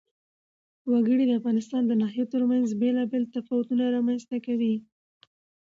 وګړي د افغانستان د ناحیو ترمنځ بېلابېل تفاوتونه رامنځ ته کوي.